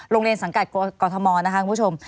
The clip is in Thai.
โรงเรียนสังกัดกรทมนะคะคุณผู้ชม